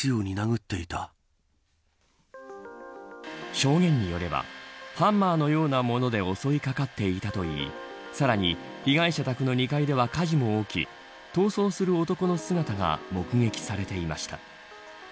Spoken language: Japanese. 証言によればハンマーのようなもので襲い掛かっていたといいさらに被害者宅の２階では、火事も起き逃走する男の姿が目撃されていました。